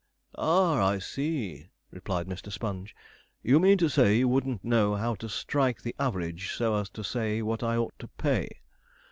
'Ah, I see,' replied Mr. Sponge; 'you mean to say you wouldn't know how to strike the average so as to say what I ought to pay.'